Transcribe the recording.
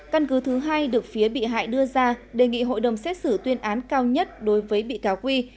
căn cứ thứ hai được phía bị hại đưa ra đề nghị hội đồng xét xử tuyên án cao nhất đối với bị cáo quy